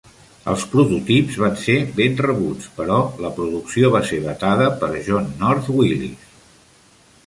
Els prototips van ser ben rebuts, però la producció va ser vetada per John North Willys.